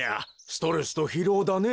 ストレスとひろうだね。